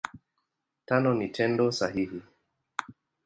Tano ni Tendo sahihi.